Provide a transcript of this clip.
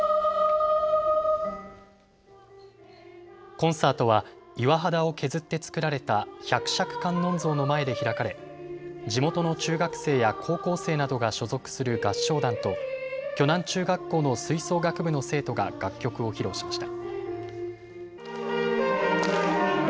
コンサートは岩肌を削って作られた百尺観音像の前で開かれ地元の中学生や高校生などが所属する合唱団と鋸南中学校の吹奏楽部の生徒が楽曲を披露しました。